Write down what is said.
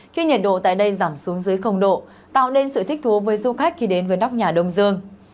khi nhiệt độ tại đây giảm xuống dưới độ tạo nên sự thích thú với du khách khi đến với nóc nhà đông dương